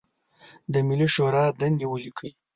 د ملي شورا دندې ولیکئ.